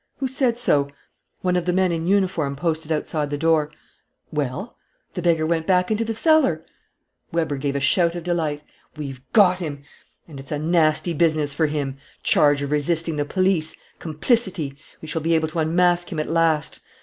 "Who said so?" "One of the men in uniform posted outside the door." "Well?" "The beggar went back into the cellar." Weber gave a shout of delight. "We've got him! And it's a nasty business for him! Charge of resisting the police!... Complicity ... We shall be able to unmask him at last.